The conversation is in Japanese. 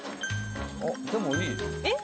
あっでも良い。